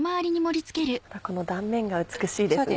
またこの断面が美しいですね。